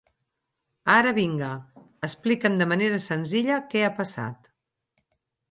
Ara, vinga, explica'm de manera senzilla què ha passat.